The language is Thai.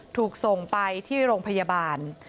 ถูกส่งไปที่โรงพยาบาล